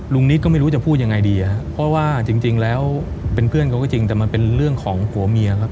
นิดก็ไม่รู้จะพูดยังไงดีครับเพราะว่าจริงแล้วเป็นเพื่อนเขาก็จริงแต่มันเป็นเรื่องของผัวเมียครับ